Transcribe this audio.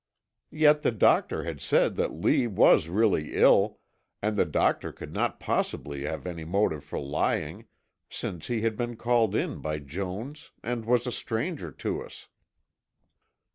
Yet, the doctor had said that Lee was really ill, and the doctor could not possibly have any motive for lying, since he had been called in by Jones and was a stranger to us.